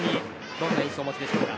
どんな印象をお持ちですか？